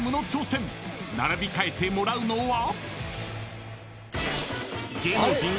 ［並び替えてもらうのは？］